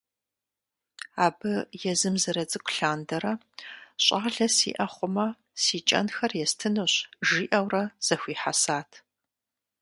Абы езым зэрыцӏыкӏу лъандэрэ, щӀалэ сиӀэ хъумэ си кӀэнхэр естынущ жиӀэурэ зэхуихьэсат.